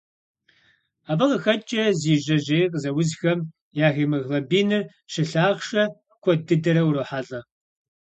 Абы къыхэкӏкӏэ, зи жьэжьей къызэузхэм я гемоглобиныр щылъахъшэ куэд дыдэрэ урохьэлӏэ.